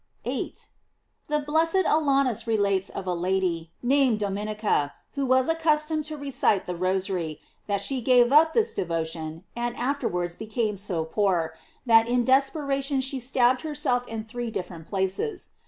* 8. — The blessed Alanus relates of a lady, named Dominica, who was accustomed to recite the Rosary, that she gave up this devotion, and afterwards became so poor, that in desperation she stabbed herself in three different places.